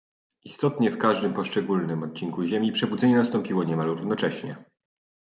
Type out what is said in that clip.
"Istotnie w każdym poszczególnym odcinku ziemi przebudzenie nastąpiło niemal równocześnie."